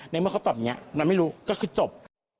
เมื่อเขาตอบอย่างนี้เราไม่รู้ก็คือจบ